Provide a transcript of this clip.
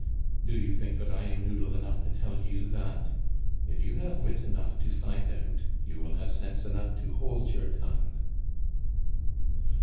"Do you think that I am noodle enough to tell you that? If you have wit enough to find out, you will have sense enough to hold your tongue."